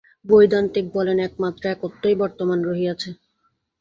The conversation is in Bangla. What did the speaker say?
বৈদান্তিক বলেন, একমাত্র একত্বই বর্তমান রহিয়াছে।